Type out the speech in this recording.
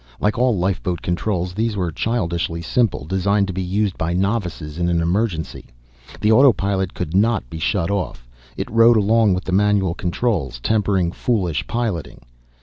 Like all lifeboat controls these were childishly simple, designed to be used by novices in an emergency. The autopilot could not be shut off, it rode along with the manual controls, tempering foolish piloting.